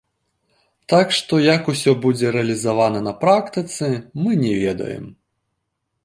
Так што, як усё будзе рэалізавана на практыцы, мы не ведаем.